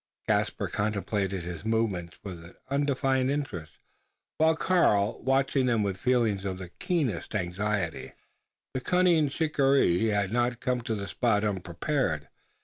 Caspar contemplated his movements with an undefined interest; while Karl watched them with feelings of the keenest anxiety. The cunning shikaree had not come to the spot unprepared.